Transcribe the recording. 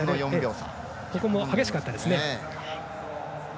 ここも激しかったですね。